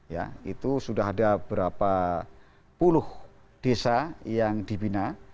ya itu sudah ada berapa puluh desa yang dibina